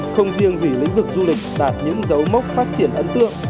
không riêng gì lĩnh vực du lịch đạt những dấu mốc phát triển ấn tượng